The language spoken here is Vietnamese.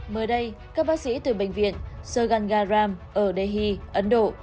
mới đây các bác sĩ từ bệnh viện surganga ram ở delhi ấn độ